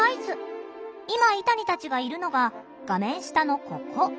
今イタニたちがいるのが画面下のここ。